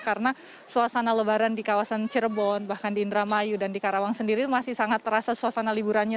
karena suasana lebaran di kawasan cirebon bahkan di indramayu dan di karawang sendiri masih sangat terasa suasana liburannya